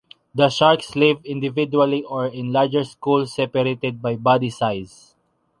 The sharks live individually or in larger schools separated by body size.